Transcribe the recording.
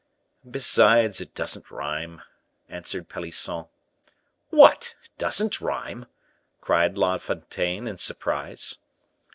"Besides, it doesn't rhyme," answered Pelisson. "What! doesn't rhyme!" cried La Fontaine, in surprise.